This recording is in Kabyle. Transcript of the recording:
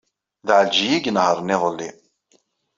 D Ɛelǧiya ay inehṛen iḍelli.